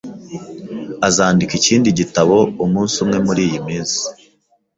Azandika ikindi gitabo umunsi umwe muriyi minsi.